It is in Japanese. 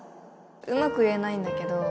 うまく言えないんだけど